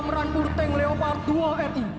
enam merandur teng leopard dua ri